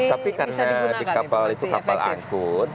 tapi karena di kapal itu kapal angkut